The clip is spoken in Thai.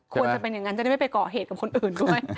ควรจะเป็นอย่างนั้นจะได้ไม่ไปก่อเหตุกับคนอื่นด้วย